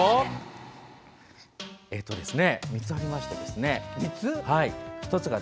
３つありまして。